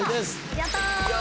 やった！